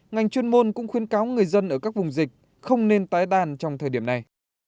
ngành chuyên môn cũng khuyên cáo người dân ở các vùng dịch không nên tái đàn trong thời điểm này